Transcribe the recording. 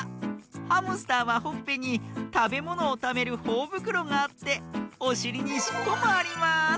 ハムスターはほっぺにたべものをためるほおぶくろがあっておしりにしっぽもあります！